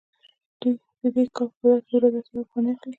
دوی د دې کار په بدل کې د ورځې اتیا افغانۍ واخلي